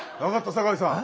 酒井さん